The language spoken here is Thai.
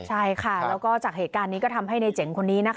ใช่ค่ะแล้วก็จากเหตุการณ์นี้ก็ทำให้ในเจ๋งคนนี้นะคะ